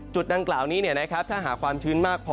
จุดดังกล่าวนี้ถ้าหากความชื้นมากพอ